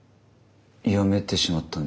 やめてしまったんですか？